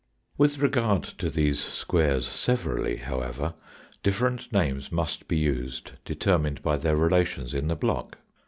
With regard to these squares severally, however, different names must be used, determined by their relations in the block.